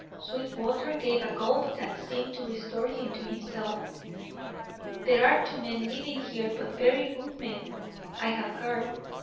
Sweetwater gave a gulp that seemed to restore him to himself. "There are two men living here, both very good men, I have heard.